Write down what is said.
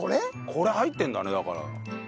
これ入ってるんだねだから。